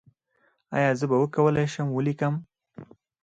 ایا زه به وکولی شم ولیکم؟